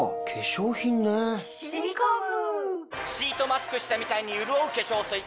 しみ込むシートマスクしたみたいにうるおう化粧水